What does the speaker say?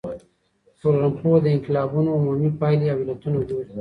ټولنپوه د انقلابونو عمومي پايلي او علتونه ګوري.